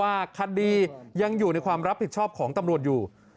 ว่าคดียังอยู่ในความรับผิดชอบของตำรวจอยู่